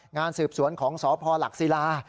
งานสืบสวนของสพหลักศิลา